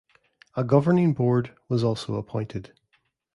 A Governing Board was also appointed.